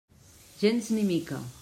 Gens ni mica.